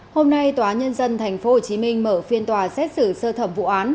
hôm nay tòa nhân dân tp hcm mở phiên tòa xét xử sơ thẩm vụ án